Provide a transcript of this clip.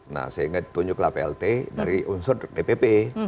nah sehingga ditunjuklah plt dari unsur dpp